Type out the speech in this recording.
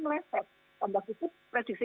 meleset pada waktu itu prediksi